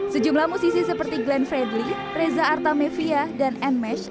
sejumlah musisi seperti glenn fredly reza artamevia dan nmesh